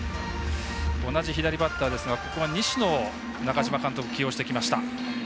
同じ左バッターですがここは西野を中嶋監督、起用してきました。